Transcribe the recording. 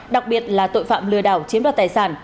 đặc biệt là tội phạm lừa đảo chiếm đoạt tài sản